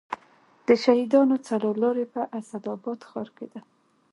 د شهیدانو څلور لارې په اسداباد ښار کې ده